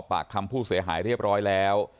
ปากคำผู้เสียหายเรียบร้อยแล้ว